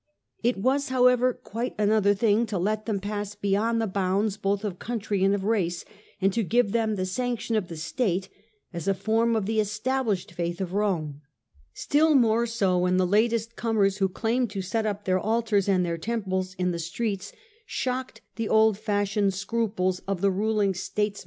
It was, how ever, quite another thing to let them pass beyond the bounds both of country and of race, and to give them the sanction of the state as a form of the established faith of Rome. Still more so when the latest comers, who claimed and was supple mented by exotic creeds and rites, to set up their altars and their temples in the streets, shocked the old fashioned scruples of the ruling states 158 The Age of the Antomnes. ch. vn.